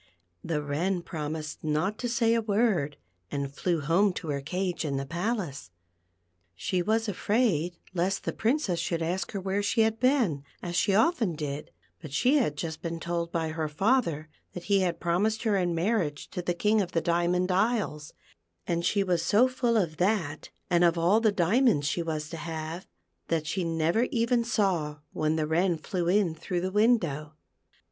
The Wren promised not to say a word, and flew home to her cage in the palace. She was afraid lest the Princess should ask her where she had been, as THE PEAKL FOUNTAIN. 1 1 she often did ; but she had just been told by her father that he had promised her in marriage to the King of the Diamond Isles, and she was so full of that, and of all the diamonds she was to have, that she never even saw when the Wren flew in through the window.